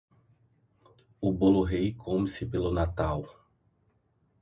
O Bolo Rei come-se pelo Natal.